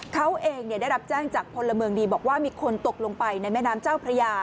เขาเองได้รับแจ้งจากพลเมืองดีบอกว่ามีคนตกลงไปในแม่น้ำเจ้าพระยา